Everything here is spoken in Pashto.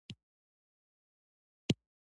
د شفتالو بوی نرم وي.